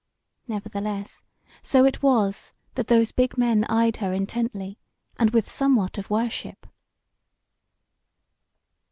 Nevertheless, so it was, that those big men eyed her intently, and with somewhat of worship.